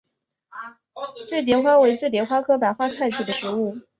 醉蝶花为醉蝶花科白花菜属的植物。